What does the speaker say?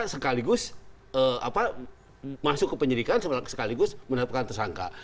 sekaligus masuk ke penyelidikan sekaligus menetapkan tersangka